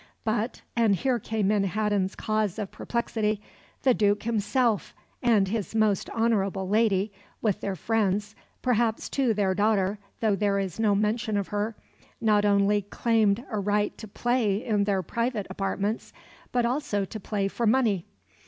But and here came in Haddon's cause of perplexity the Duke himself and his most honourable lady, with their friends perhaps, too, their daughter, though there is no mention of her not only claimed a right to play in their private apartments, but also to play for money.